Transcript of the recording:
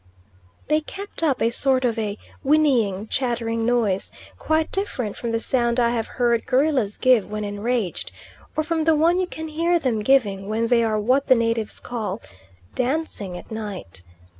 They kept up a sort of a whinnying, chattering noise, quite different from the sound I have heard gorillas give when enraged, or from the one you can hear them giving when they are what the natives call "dancing" at night.